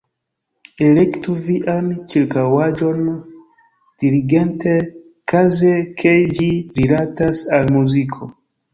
Elektu vian ĉirkaŭaĵon diligente, kaze ke ĝi rilatas al muziko.